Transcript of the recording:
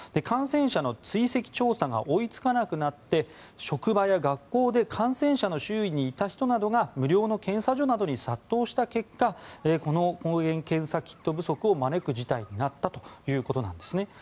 感染者の追跡調査が追いつかなくなって職場や学校で感染者の周囲にいた人などが無料の検査所などに殺到した結果この抗原検査キット不足を招く事態になったということです。